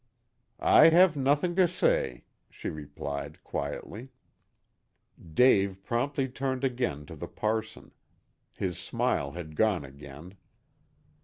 "I have nothing to say," she replied quietly. Dave promptly turned again to the parson. His smile had gone again.